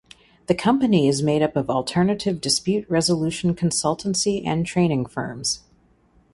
The company is made up of Alternative Dispute Resolution consultancy and training firms.